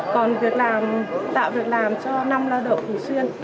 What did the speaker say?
còn tạo việc làm cho năm lao động thủy xuyên